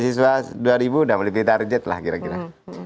satu tahun pertama beasiswa dua sudah mulai bitarjet lah kira kira